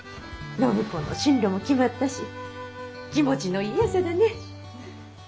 暢子の進路も決まったし気持ちのいい朝だね。